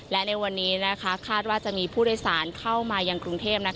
และในวันนี้คาดว่าจะมีผู้โดยสารเข้ามายังกรุงเทพ